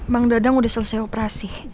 bang dadang udah selesai operasi